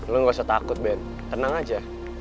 lo gak usah takut ben tenang aja